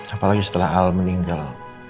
apalagi setelah al meninggal